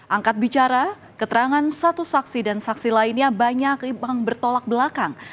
angkat bicara keterangan satu saksi dan saksi lainnya banyak bertolak belakang